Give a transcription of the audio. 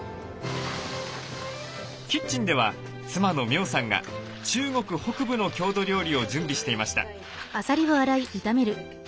キッチンでは妻の苗さんが中国北部の郷土料理を準備していました。